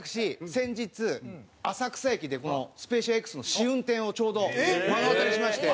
先日浅草駅でこのスペーシアＸの試運転をちょうど目の当たりにしまして。